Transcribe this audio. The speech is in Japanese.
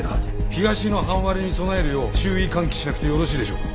東の半割れに備えるよう注意喚起しなくてよろしいでしょうか？